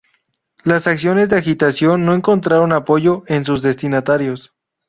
Las acciones de agitación no encontraron apoyo en sus destinatarios.